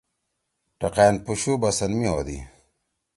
ٹقأن پُشُو بسن می ہودی۔